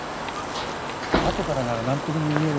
後からなら何とでも言える。